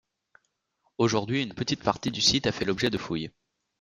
Aujourd'hui, une petite partie du site a fait l'objet de fouilles.